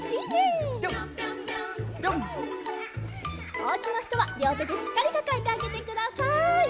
おうちのひとはりょうてでしっかりかかえてあげてください。